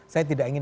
saya tidak ingin